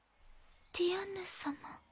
ディアンヌ様。